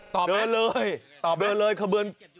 ตอบไหมตอบไหมตอบไหมเดินเลยขบวน